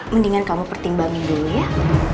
mendingan kamu pertimbangin dulu ya